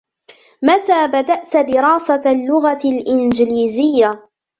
متى بدأتَ دراسة اللغة الانجليزية؟